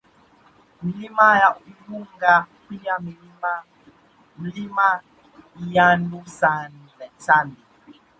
Milima ya Ilunga pia Mlima Ilyandi Sandi